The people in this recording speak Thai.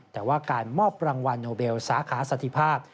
แต่ว่าการมอบรางวัลโนเบลสาขาสถิภาพ